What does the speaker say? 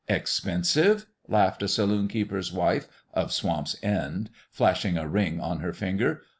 " Expensive ?" laughed a saloon keeper's wife of Swamp's End, flashing a ring on her finger.